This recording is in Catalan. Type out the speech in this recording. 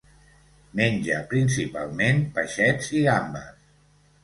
Menja principalment peixets i gambes.